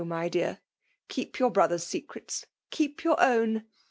mydear ; Icieep your brother's leerets ^eep yovr own.